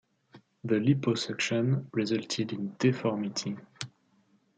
The liposuction resulted in deformity.